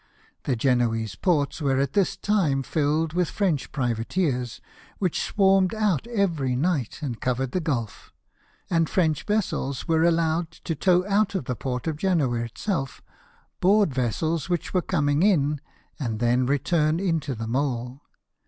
The Genoese ports were at this time filled with French privateers, which swarmed out every night, and covered the gulf; and French vessels were allowed to tow out of the port of Genoa itself, board vessels which were coming in, and then return into the mole.